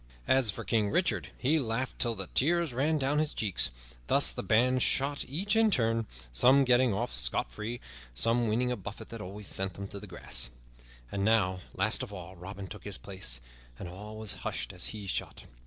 As for King Richard, he laughed till the tears ran down his cheeks. Thus the band shot, each in turn, some getting off scot free, and some winning a buffet that always sent them to the grass. And now, last of all, Robin took his place, and all was hushed as he shot.